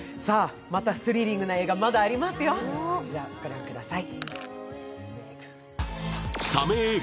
スリリングな映画、まだありますよ、ご覧ください。